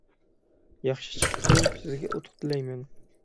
ياخشى چىقىپتۇ، سىزگە ئۇتۇق تىلەيمەن.